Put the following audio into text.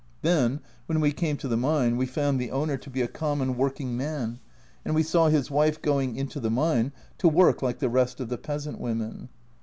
Then, when we came to the mine, we found the owner to be a common working man, and we saw his wife going into the mine to work like the rest of the peasant women